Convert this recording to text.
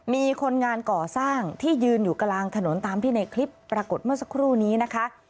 มีคนงานก่อสร้างที่ยืนอยู่กลางถนนตามที่ในคลิปปรากฏเมื่อสักครู่นี้นะคะ